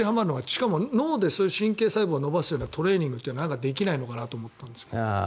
しかも、脳で神経細胞を伸ばすようなトレーニングってできないのかなって思ったんですが。